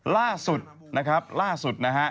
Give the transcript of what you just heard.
ล่าสุดนะครับล่าสุดนะฮะ